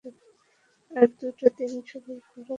আর দুটো দিন সবুর করো, খবর তোমাকে দিতে পারব।